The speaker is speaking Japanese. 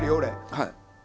はい。